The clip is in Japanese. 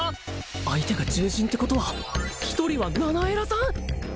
相手が獣人ってことは一人はナナエラさん！？